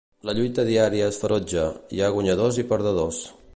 La lluita diària és ferotge, hi ha guanyadors i perdedors.